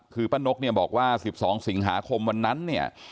คือป้านกเนี่ยบอกว่า๑๒สิงหาคมวันนั้นเนี่ย